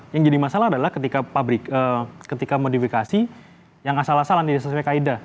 yang jadi masalah adalah ketika pabrik ketika modifikasi yang asal asalan tidak sesuai kaedah